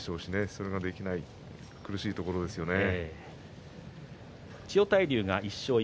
それができない苦しいところですよね。